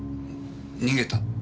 逃げた？